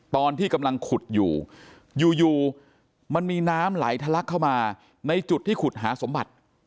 ตอนที่กำลังขุดอยู่อยู่มันมีน้ำไหลทะลักเข้ามาในจุดที่ขุดหาสมบัติ